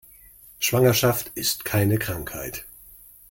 Schwangerschaft ist keine Krankheit.